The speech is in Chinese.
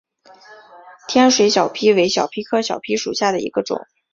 天水小檗为小檗科小檗属下的一个种。